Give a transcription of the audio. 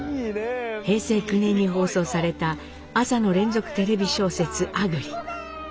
平成９年に放送された朝の連続テレビ小説「あぐり」。